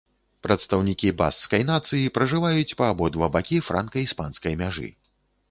Прадстаўнікі баскскай нацыі пражываюць па абодва бакі франка-іспанскай мяжы.